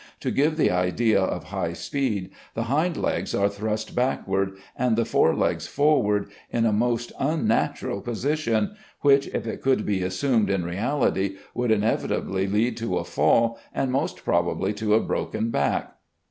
To give the idea of high speed, the hind legs are thrust backward and the forelegs forward in a most unnatural position, which, if it could be assumed in reality, would inevitably lead to a fall and most probably to a broken back."